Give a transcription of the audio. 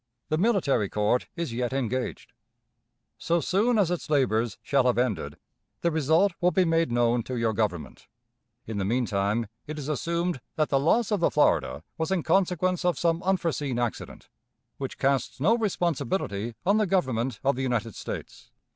The military court is yet engaged. So soon as its labors shall have ended, the result will be made known to your Government. In the mean time it is assumed that the loss of the Florida was in consequence of some unforeseen accident, which casts no responsibility on the Government of the United States."